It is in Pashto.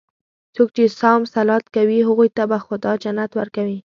څوک چې صوم صلات کوي، هغوی ته به خدا جنت ورکوي.